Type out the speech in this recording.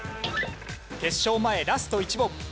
決勝前ラスト１問。